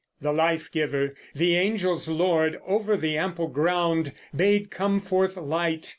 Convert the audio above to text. The Life giver, the Angel's Lord, Over the ample ground bade come forth Light.